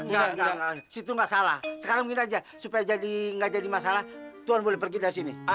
enggak enggak enggak situ enggak salah sekarang ini aja supaya enggak jadi masalah tuhan boleh pergi dari sini